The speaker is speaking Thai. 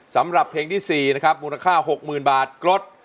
สำหรับเพลงที่สี่นะครับมูลค่าหกหมื่นบาทกรด